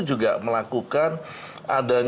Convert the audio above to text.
juga melakukan ada